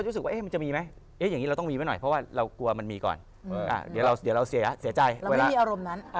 เสียใจเราไม่มีอารมณ์นั้น